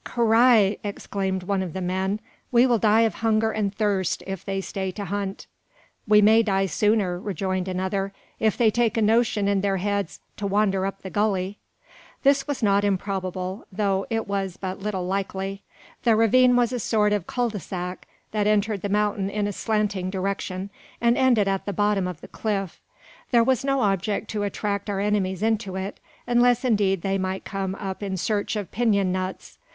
"Carrai!" exclaimed one of the men, "we will die of hunger and thirst if they stay to hunt!" "We may die sooner," rejoined another, "if they take a notion in their heads to wander up the gully." This was not improbable, though it was but little likely. The ravine was a sort of cul de sac, that entered the mountain in a slanting direction, and ended at the bottom of the cliff. There was no object to attract our enemies into it, unless indeed they might come up in search of pinon nuts.